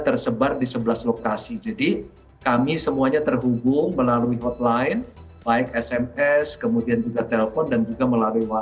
dan kemudian kita bisa melakukan hal hal yang lebih mudah dari itu jadi kami semuanya terhubung melalui hotline baik sms kemudian juga telepon dan juga melalui whatsapp